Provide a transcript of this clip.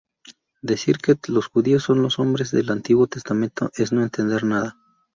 Decir que los judíos son los hombres del antiguo testamento es no entender nada.